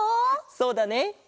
そうだね。